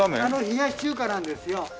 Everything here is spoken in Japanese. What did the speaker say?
冷やし中華なんですよ。